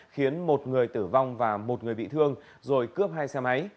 khiến một người tử vong và một người bị thương rồi cướp hai xe máy